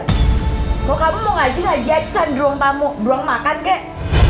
kalau kamu mau ngasih ngaji aja di ruang tamu ruang makan kek